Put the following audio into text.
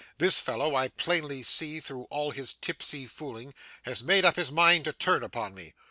'This fellow, I plainly see through all his tipsy fooling, has made up his mind to turn upon me.